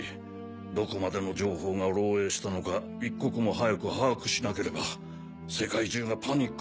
どこまでの情報が漏えいしたのか一刻も早く把握しなければ世界中がパニックに陥る。